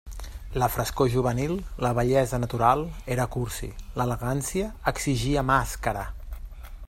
La frescor juvenil, la bellesa natural, era cursi; l'elegància exigia màscara.